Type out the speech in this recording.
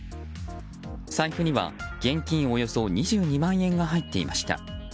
財布には現金およそ２２万円が入っていました。